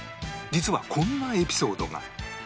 実はこんなエピソードが